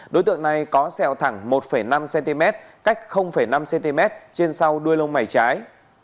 đối tượng này có xeo thẳng một năm cm cách năm cm trên sau đuôi lông mảy trái